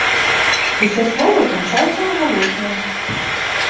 Усе словы канчаюцца на галосныя.